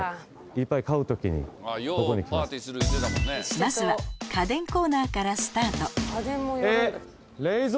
まずは家電コーナーからスタートえっ！